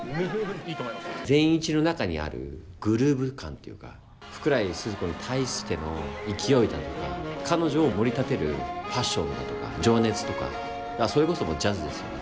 善一の中にあるグルーヴ感というか福来スズ子に対しての勢いだとか彼女をもり立てるパッションだとか情熱とかそれこそジャズですよね